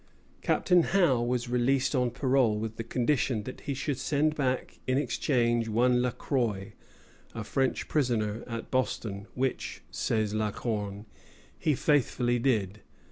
Captain Howe was released on parole, with the condition that he should send back in exchange one Lacroix, a French prisoner at Boston, "which," says La Corne, "he faithfully did."